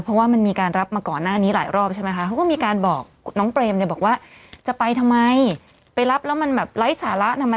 เพราะว่ามันมีการรับมาก่อนหน้านี้หลายรอบใช่ไหมคะ